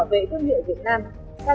với các giải pháp đồng bộ